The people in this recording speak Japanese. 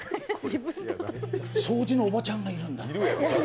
掃除のおばちゃんがいるんだ。